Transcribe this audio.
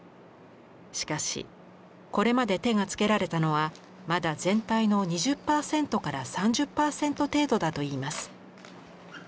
しかしこれまで手がつけられたのはまだ全体の２０％から３０％程度だといいます。